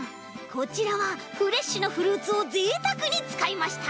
こちらはフレッシュなフルーツをぜいたくにつかいました。